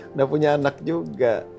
udah punya anak juga